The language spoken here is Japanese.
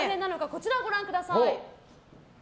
こちらをご覧ください。